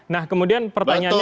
nah kemudian pertanyaannya